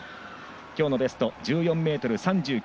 きょうのベスト１４ｍ３９。